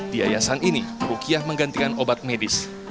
di yayasan ini rukiah menggantikan obat medis